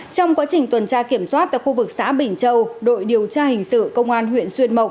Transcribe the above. trong quá trình tuần tra kiểm soát tại khu vực xã bình châu đội điều tra hình sự công an huyện xuyên mộc